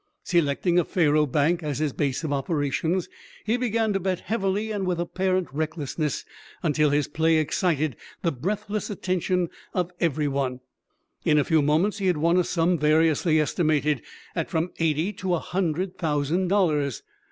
Selecting a faro bank as his base of operations, he began to bet heavily and with apparent recklessness, until his play excited the breathless attention of every one. In a few moments he had won a sum variously estimated at from eighty to a hundred thousand dollars.